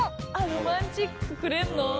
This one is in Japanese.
ロマンチックくれんの？